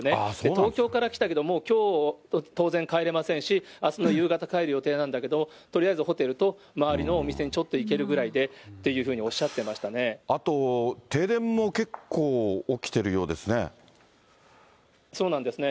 東京から来たけど、きょう、当然、帰れませんし、あすの夕方帰る予定なんだけど、とりあえずホテルと、周りのお店にちょっと行けるぐらいでというふうにおっしゃってまあと、停電も結構、そうなんですね。